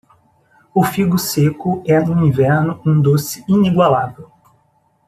O figo seco é no inverno um doce inigualável.